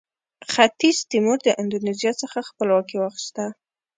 ختیځ تیمور د اندونیزیا څخه خپلواکي واخیسته.